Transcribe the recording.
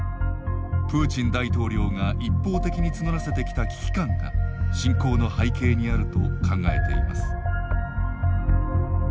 プーチン大統領が一方的に募らせてきた危機感が侵攻の背景にあると考えています。